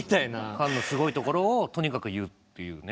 菅のすごいところをとにかく言うっていうね